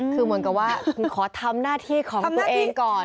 คือเหมือนกับว่าขอทำหน้าที่ของตัวเองก่อน